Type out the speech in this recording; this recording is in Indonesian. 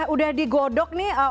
udah digodok nih